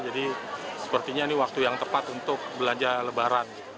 jadi sepertinya ini waktu yang tepat untuk belanja lebaran